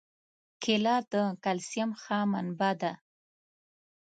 کېله د کلسیم ښه منبع ده.